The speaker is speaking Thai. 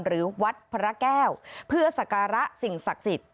หรือวัดพระแก้วเพื่อสการะสิ่งศักดิ์สิทธิ์